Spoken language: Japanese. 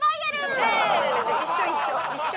一緒一緒。